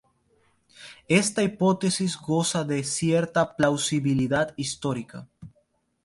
Esta hipótesis goza de cierta plausibilidad histórica.